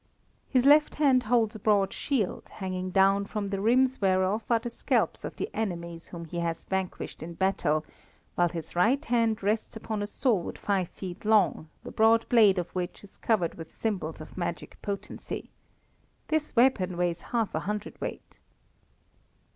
His left hand holds a broad shield, hanging down from the rims whereof are the scalps of the enemies whom he has vanquished in battle, while his right hand rests upon a sword five feet long, the broad blade of which is covered with symbols of magic potency. This weapon weighs half a hundredweight.